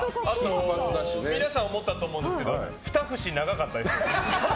皆さん思ったと思うんですけど２節長かったですね。